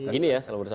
gini ya salam bersama